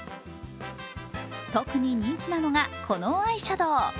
特に人気なのがこのアイシャドウ。